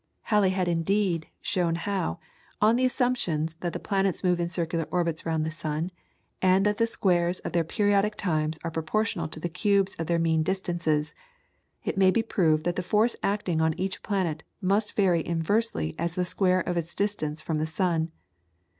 Halley had indeed shown how, on the assumptions that the planets move in circular orbits round the sun, and that the squares of their periodic times are proportional to the cubes of their mean distances, it may be proved that the force acting on each planet must vary inversely as the square of its distance from the sun.